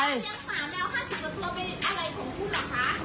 เลี้ยงหมาแมวห้าสิบกว่าตัวเป็นอะไรผมพูดหรือคะ